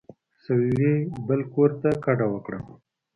سړي بل کور ته کډه وکړه.